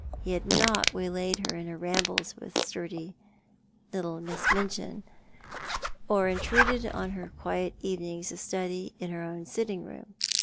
He had not waylaid her in her rambles with sturdy little Miss Miuchin, or intruded on her quiet evenings of study in her own sitting room.